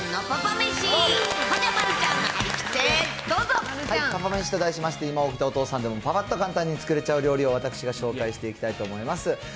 パパめしと題しまして、今起きたお父さんでもぱぱっと簡単に作れちゃう料理を私が紹介していきたいと思います。